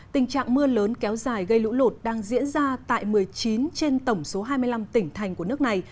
tình trạng mưa lớn kéo dài gây lũ lụt đang diễn ra tại một mươi chín trên tổng số hai mươi năm tỉnh thành của nước này